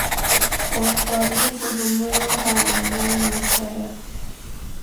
بردباری و تحمل او در برابر مصائب